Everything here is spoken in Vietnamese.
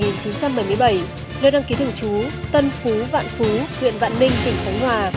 nơi đăng ký thưởng chú tân phú vạn phú huyện vạn ninh tỉnh thanh hòa